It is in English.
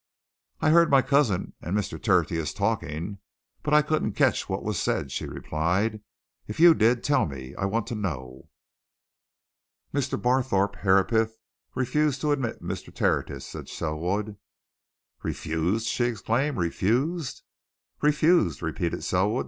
"I heard my cousin and Mr. Tertius talking, but I couldn't catch what was said," she replied. "If you did, tell me I want to know." "Mr. Barthorpe Herapath refused to admit Mr. Tertius," said Selwood. "Refused?" she exclaimed. "Refused?" "Refused," repeated Selwood.